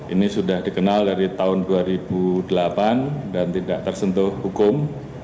ini sudah dikenal dari tahun dua ribu delapan dan tidak tersentuh hukum